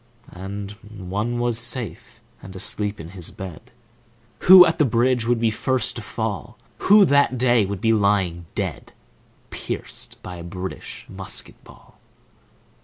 And one was safe and asleep in his bed Who at the bridge would be first to fall, Who that day would be lying dead, Pierced by a British musket ball.